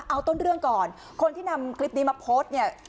เอาต้นเรื่องก่อนคนที่นำคลิปนี้มาโพสต์เนี่ย